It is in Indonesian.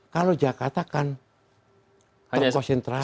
kalau jakarta kan terkonsentrasi